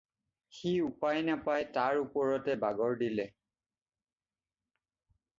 সি উপায় নাপাই তাৰ ওপৰতে বাগৰ দিলে।